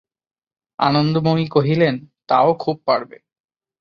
আনন্দময়ী কহিলেন, তা ও খুব পারবে।